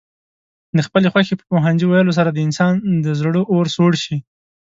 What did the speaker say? د خپلې خوښې په پوهنځي ويلو سره د انسان د زړه اور سوړ شي.